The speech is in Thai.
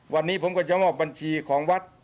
วันนี้ผมก็จะมอบบัญชีของวัด